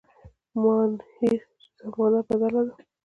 مانهیر چي زمانه بدله ده